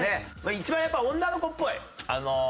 一番やっぱ女の子っぽいネタが。